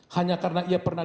hanya karena ia pernah